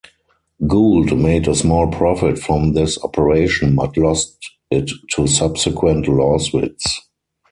Gould made a small profit from this operation, but lost it to subsequent lawsuits.